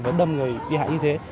và đâm người bị hại như thế